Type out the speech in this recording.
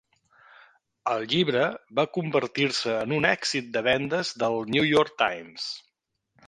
El llibre va convertir-se en un èxit de vendes del New York Times.